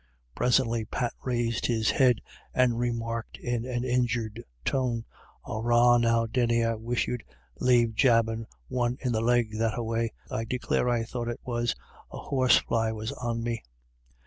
Presently Pat raised his head and remarked in an injured tone : "Arrah now, Denny, I wish you'd lave jobbin* one in the leg that a way. I declare I thought it was a horsefly was on me."